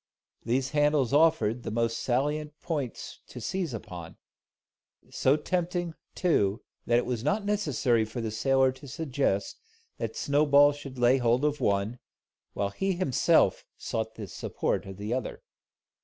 These handles offered the most salient points to seize upon; so tempting, too, that it was not necessary for the sailor to suggest that Snowball should lay hold of one, while he himself sought the support of the other.